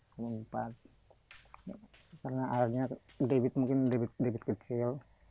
karena airnya debit mungkin debit debit kecil